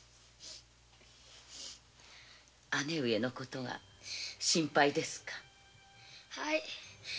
姉上の事が心配ですか？